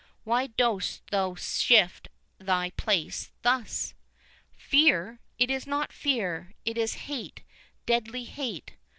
—why dost thou shift thy place thus?" "Fear? it is not fear—it is hate, deadly hate.